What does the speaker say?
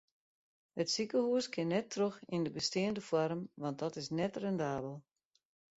It sikehûs kin net troch yn de besteande foarm want dat is net rendabel.